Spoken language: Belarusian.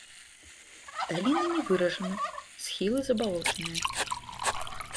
Даліна не выражана, схілы забалочаныя.